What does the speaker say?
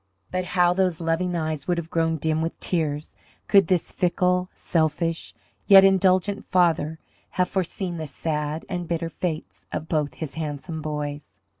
But how those loving eyes would have grown dim with tears could this fickle, selfish, yet indulgent father have foreseen the sad and bitter fates of both his handsome boys.